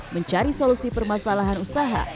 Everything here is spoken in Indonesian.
mencari solusi permasalahan usaha